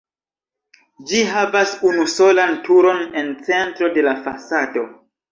Ĝi havas unusolan turon en centro de la fasado.